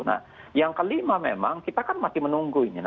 nah yang kelima memang kita kan masih menunggu ini